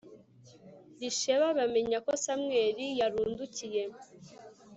risheba bamenya ko Samweli yarundukiye